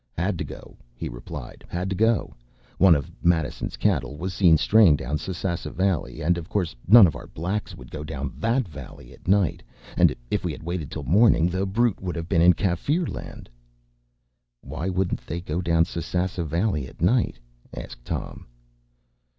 “Had to go,” he replied “had to go. One of Madison’s cattle was seen straying down Sasassa Valley, and of course none of our blacks would go down that valley at night; and if we had waited till morning, the brute would have been in Kaffirland.” “Why wouldn’t they go down Sasassa Valley at night?” asked Tom.